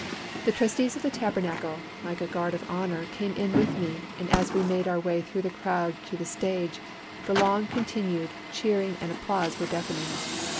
The Trustees of the Tabernacle, like a guard of honour, came in with me, and as we made our way through the crowds to the stage, the long continued cheering and applause were deafening.